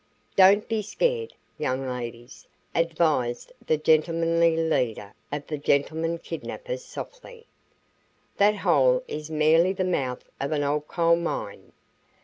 "Don't get scared, young ladies," advised the "gentlemanly leader" of the "gentleman kidnappers" softly. "That hole is merely the mouth of an old coal mine.